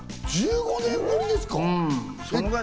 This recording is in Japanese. １５年ぶりですか？